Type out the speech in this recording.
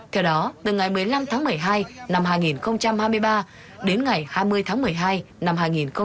theo đó từ ngày một mươi năm tháng một mươi hai năm hai nghìn hai mươi ba đến ngày hai mươi tháng một mươi hai năm hai nghìn hai mươi ba